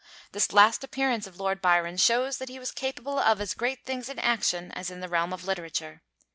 This last appearance of Lord Byron shows that he was capable of as great things in action as in the realm of literature.